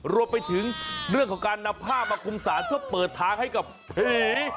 รวมไปถึงเรื่องของการนำผ้ามาคุมสารเพื่อเปิดทางให้กับผี